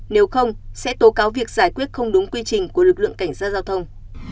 nếu không sẽ tố cáo việc giải quyết không đúng quy trình của lực lượng cảnh sát giao thông